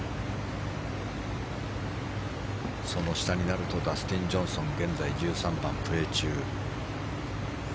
その下になるとダスティン・ジョンソン現在、１３番プレー中。